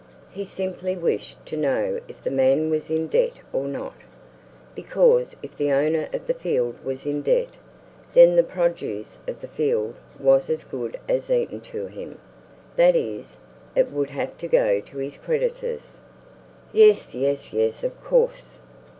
He simply wished to know if the man was in debt or not; because if the owner of the field was in debt, then the produce of the field was as good as eaten to him; that is, it would have to go to his creditors." "Yes, yes, yes; of course!